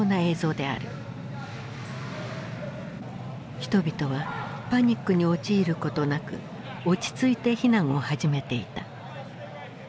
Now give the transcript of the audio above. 人々はパニックに陥ることなく落ち着いて避難を始めていた。